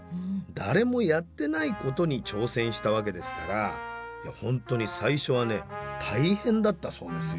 誰もやってないことに挑戦したわけですから本当に最初はね大変だったそうですよ。